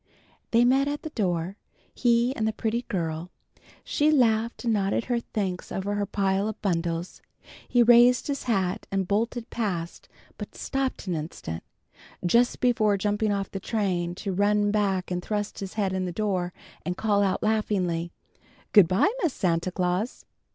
They met at the door, he and the pretty girl, she laughing and nodding her thanks over her pile of bundles. He raised his hat and bolted past, but stopped an instant, just before jumping off the train, to run back and thrust his head in the door and call out laughingly, "Good by, Miss Santa Claus!"